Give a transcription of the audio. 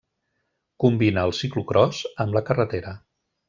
Combina el ciclocròs amb la carretera.